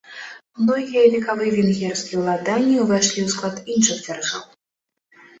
Многія векавыя венгерскія ўладанні ўвайшлі ў склад іншых дзяржаў.